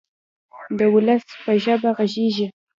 د ولس په ژبه غږیږي.